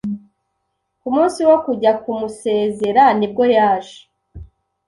Ku munsi wo kujya kumusezera nibwo yaje